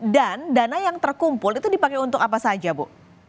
dana yang terkumpul itu dipakai untuk apa saja bu